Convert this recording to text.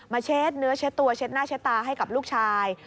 เช็ดเนื้อเช็ดตัวเช็ดหน้าเช็ดตาให้กับลูกชาย